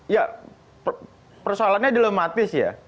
ya persoalannya dilematis ya